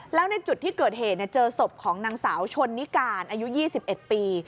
แล้วในจุดที่เกิดเหตุเจอศพของนางสาวชนนิการอายุ๒๑ปี